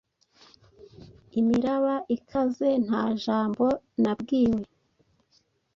Imiraba ikaze Nta jambo nabwiwe